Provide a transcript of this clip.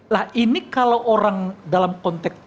lah ini kalau orang dalam konteks